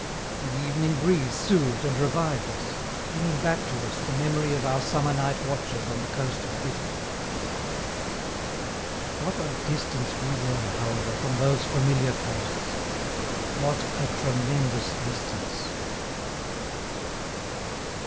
The evening breeze soothed and revived us, bringing back to us the memory of our summer night watches on the coast of Brittany. What a distance we were, however, from those familiar coasts! What a tremendous distance!